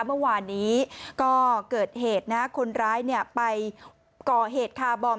เมื่อวานนี้ก็เกิดเหตุนะคนร้ายไปก่อเหตุคาบอม